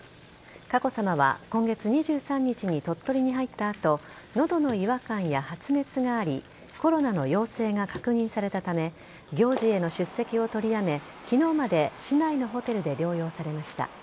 佳子さまは今月２３日に鳥取に入った後喉の違和感や発熱がありコロナの陽性が確認されたため行事への出席を取りやめ昨日まで市内のホテルで療養されました。